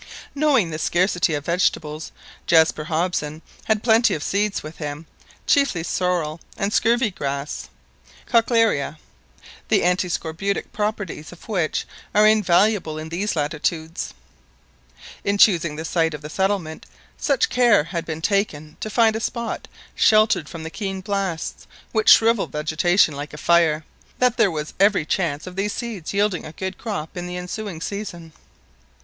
Knowing the scarcity of vegetables, Jaspar Hobson had plenty of seeds with him, chiefly sorrel and scurvy grass (Cochlearia), the antiscorbutic properties of which are invaluable in these latitudes. In choosing the site of the settlement, such care bad been taken to find a spot sheltered from the keen blasts, which shrivel vegetation like a fire, that there was every chance of these seeds yielding a good crop in the ensuing season.